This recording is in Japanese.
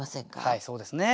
はいそうですね。